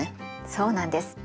そうなんです。